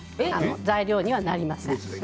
材料にはなりません。